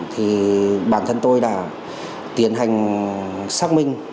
thì bản thân tôi đã tiến hành xác minh